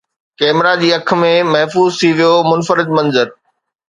camera جي اک ۾ محفوظ ٿي ويو منفرد منظر